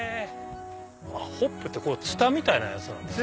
ホップってツタみたいなやつなんですね。